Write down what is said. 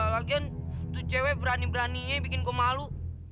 lagian itu cewek berani beraninya yang bikin gua malu